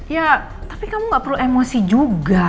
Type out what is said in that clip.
ya tapi kamu gak perlu emosi juga